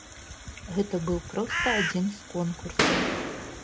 Гэта быў проста адзін з конкурсаў.